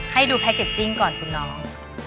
ให้ดูแพ็กเกจจิ้งก่อนคุณน้อง